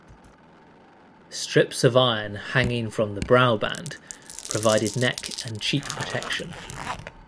Strips of iron hanging from the brow band provided neck and cheek protection.